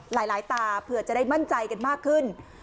หลายตาเผื่อจะได้มั่นใจกันมากขึ้น